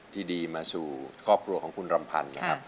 ที่ดีมาสู่ครอบครัวของคุณรำพันนะฮะ